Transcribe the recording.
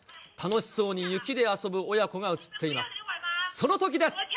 楽しそうに雪で遊ぶ親子が写っています。